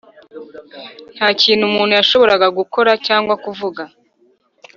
nta kintu umuntu yashoboraga gukora cyangwa kuvuga.